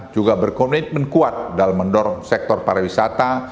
juga berkomitmen kuat dalam mendorong sektor pariwisata